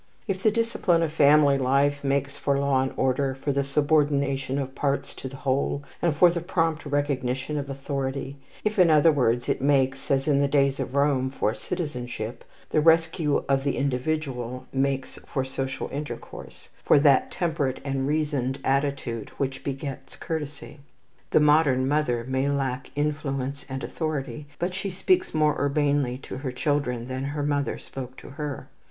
If the discipline of family life makes for law and order, for the subordination of parts to the whole, and for the prompt recognition of authority; if, in other words, it makes, as in the days of Rome, for citizenship, the rescue of the individual makes for social intercourse, for that temperate and reasoned attitude which begets courtesy. The modern mother may lack influence and authority; but she speaks more urbanely to her children than her mother spoke to her.